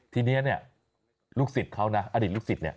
ทีนี้ลูกศิษย์เขานะอดีตลูกศิษย์นี่